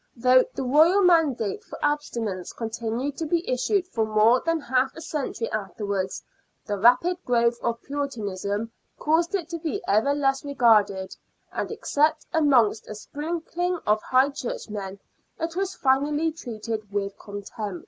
Though the Royal mandate for abstinence continued to be issued for more than half a century after wards, the rapid growth of Puritanism caused it to be ever less regarded, and except amongst a sprinkling of High Churchmen, it was finally treated with contempt.